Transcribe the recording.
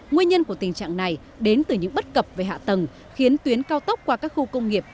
nguyên nhân của tình trạng này đến từ những bất cập về hạ tầng khiến tuyến cao tốc qua các khu công nghiệp